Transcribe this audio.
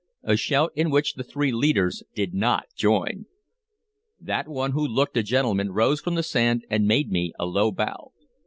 a shout in which the three leaders did not join. That one who looked a gentleman rose from the sand and made me a low bow.